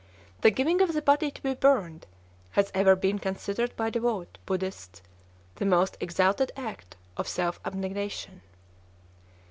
The giving of the body to be burned has ever been considered by devout Buddhists the most exalted act of self abnegation.